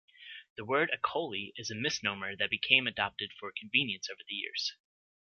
The word 'Acoli' is a misnomer that became adopted for convenience over the years.